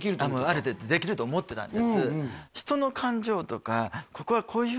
ある程度できると思ってたんです